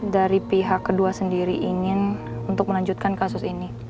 dari pihak kedua sendiri ingin untuk melanjutkan kasus ini